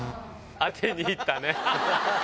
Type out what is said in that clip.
当てにいったね。